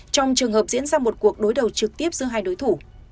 trong trường hợp diễn ra một cuộc đối đầu trực tiếp giữa hai đối thủ